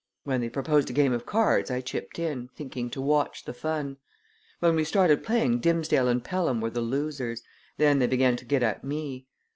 When they proposed a game of cards I chipped in, thinking to watch the fun. When we started playing Dimsdale and Pelham were the losers. Then they began to get at me.